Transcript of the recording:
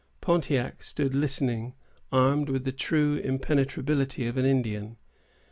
Pontiac stood listening, armed with the true impenetrability of an Indian.